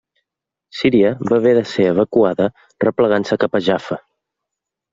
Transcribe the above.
Síria va haver de ser evacuada replegant-se cap a Jaffa.